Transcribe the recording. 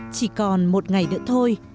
chỉ còn một ngày nữa thôi